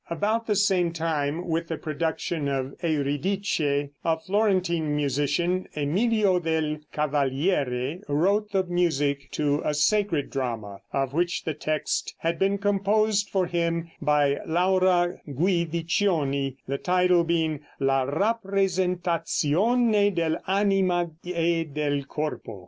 About the same time with the production of "Eurydice," a Florentine musician, Emilio del Cavaliere, wrote the music to a sacred drama, of which the text had been composed for him by Laura Guidiccioni, the title being "La Rappresentazione del Anima e del Corpo."